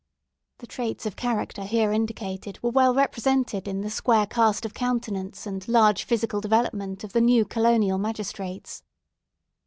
The traits of character here indicated were well represented in the square cast of countenance and large physical development of the new colonial magistrates.